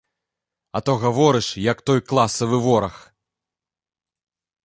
А то гаворыш, як той класавы вораг.